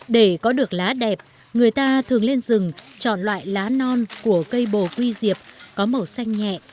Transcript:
để có được lá đẹp người ta thường lên rừng chọn loại lá non của cây bồ quy di diệp có màu xanh nhẹ